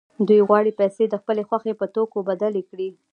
دوی غواړي پیسې د خپلې خوښې په توکو بدلې کړي